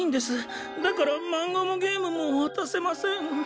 だからマンガもゲームもわたせません。